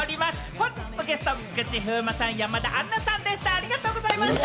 本日のゲスト、菊池風磨さん、山田杏奈さんでした。